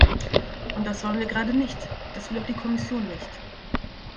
Und das wollen wir gerade nicht. Das will auch die Kommission nicht.